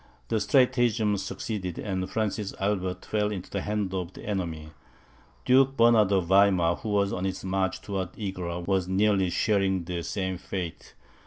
The stratagem succeeded, and Francis Albert fell into the hands of the enemy. Duke Bernard of Weimar, who was on his march towards Egra, was nearly sharing the same fate.